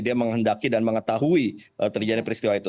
dia menghendaki dan mengetahui terjadi peristiwa itu